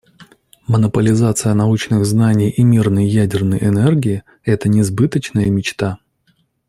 Монополизация научных знаний и мирной ядерной энергии − это несбыточная мечта.